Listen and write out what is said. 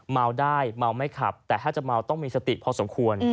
เมาได้เมาไม่ขับแต่ถ้าจะเมาต้องมีสติพอสมควร